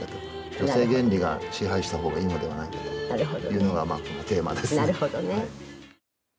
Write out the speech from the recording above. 女性原理が支配したほうがいいのではないかというのがテーマです。